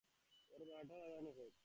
ওর বারোটা বাজানো হোক।